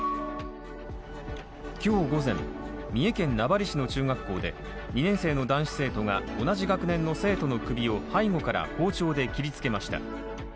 今日午前、三重県名張市の中学校で２年生の男子生徒が同じ学年の生徒の首を背後から包丁で切りつけました。